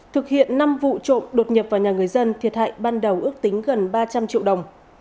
thực hiện năm vụ trộm đột nhập vào nhà người dân thiệt hại ban đầu ước tính gần ba trăm linh triệu đồng